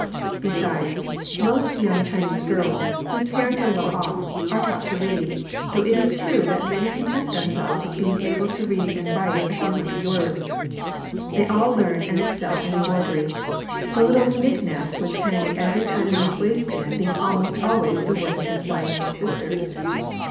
Besides, most young Chinese girls, whose parents are well off, are taught to read, though it is true that many content themselves with beiug able to read and write a few hundred words. They all learn and excel 14 THE POSITION OF WOMEN. in embroidery ; the little knick knacks which hang at every Chinaman's waist band being almost always the work of his wife or sister.